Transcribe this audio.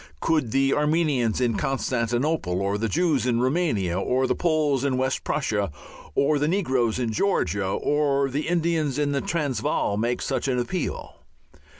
Could the Armenians in Constantinople, or the Jews in Roumania, or the Poles in West Prussia, or the negroes in Georgia, or the Indians in the Transvaal make such an appeal?